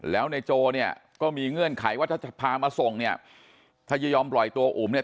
แล้วในโจเนี่ยก็มีเงื่อนไขว่าถ้าพามาส่งเนี่ยถ้าจะยอมปล่อยตัวอุ๋มเนี่ย